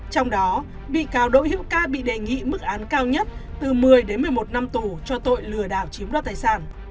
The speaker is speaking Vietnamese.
trong đó bị cáo đỗ hiễu ca bị đề nghị mức án cao nhất từ một mươi đến một mươi một năm tù cho tội lừa đảo chiếm đoạt tài sản